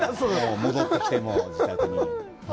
戻ってきても、自宅に。